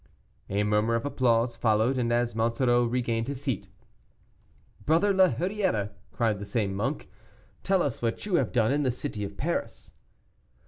A murmur of applause followed and as Monsoreau regained his seat, "Brother la Hurière," cried the same monk, "tell us what you have done in the city of Paris."